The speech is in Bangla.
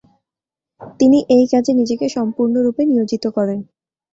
তিনি এই কাজে নিজেকে সম্পূর্ণরূপে নিয়োজিত করেন।